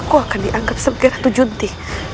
aku akan dianggap sebagai ratu junti